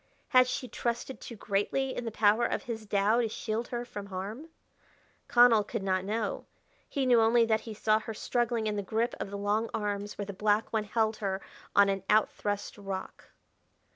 Had she trusted too greatly in the power of his Tao to shield her from harm? Connell could not know. He knew only that he saw her struggling in the grip of the long arms where the black one held her on an outthrust rock.